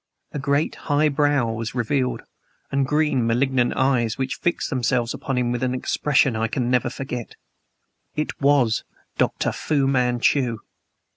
A great, high brow was revealed, and green, malignant eyes, which fixed themselves upon him with an expression I never can forget. IT WAS DR. FU MANCHU!